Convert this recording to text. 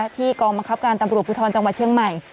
กองบังคับการตำรวจภูทรจังหวัดเชียงใหม่